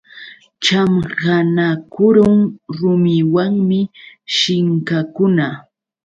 Chamqanakurun rumiwanmi shinkakuna.